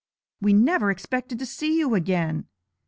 We never expected to see you again!